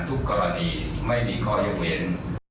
ทุกกรณีไม่มีข้อยกเว้น